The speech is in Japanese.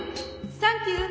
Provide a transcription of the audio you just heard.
サンキュー。